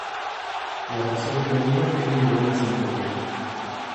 La versión de Amiga tiene una buena sintonía.